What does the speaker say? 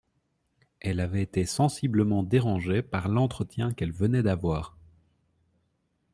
Elle avait été sensiblement dérangée par l’entretien qu’elle venait d’avoir